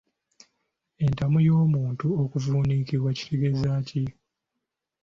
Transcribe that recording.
Entamu y'omuntu okuvuunikibwa kitegeeza ki?